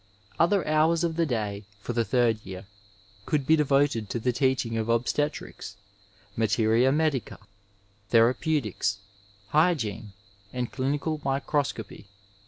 Other hours of the day for the third year could be de voted to the teaching of obstetrics, materia medica, thera peutics, hygiene and clinical microscopy.